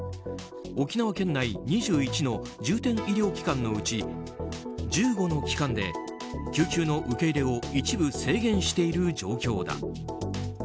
沖縄県内２１の重点医療機関のうち１５の機関で救急の受け入れを一部制限している状況だ。